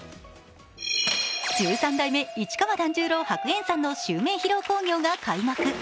十三代目市川團十郎白猿さんの襲名披露興行が開幕。